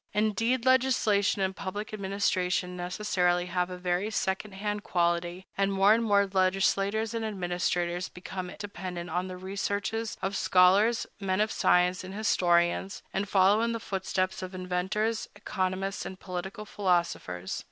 Indeed, legislation and public administration necessarily have a very second hand quality; and more and more legislators and administrators become dependent on the researches of scholars, men of science, and historians, and follow in the footsteps of inventors, economists, and political philosophers.